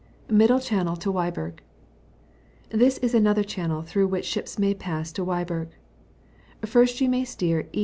MIDDVB OBAirmsik to WTBU&O. — This is another channel through which ships may pass to Wyburg. First you may steer E.